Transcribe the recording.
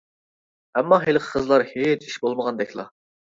ئەمما ھېلىقى قىزلار ھېچ ئىش بولمىغاندەكلا.